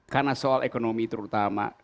karena soal ekonomi terutama